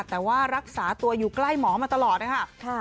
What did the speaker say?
แต่ว่ารักษาตัวอยู่ใกล้หมอมาตลอดนะคะ